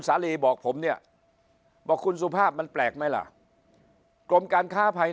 สาลีบอกผมเนี่ยบอกคุณสุภาพมันแปลกไหมล่ะกรมการค้าภัย